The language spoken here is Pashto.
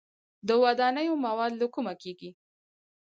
د ودانیو مواد له کومه کیږي؟